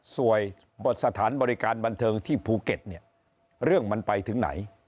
สถานบริการบันเทิงที่ภูเก็ตเนี่ยเรื่องมันไปถึงไหน